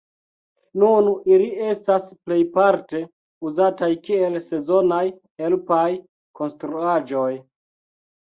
Nun ili estas plejparte uzataj kiel sezonaj helpaj konstruaĵoj.